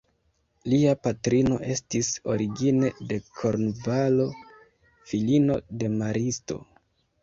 Lia patrino estis origine de Kornvalo, filino de maristo.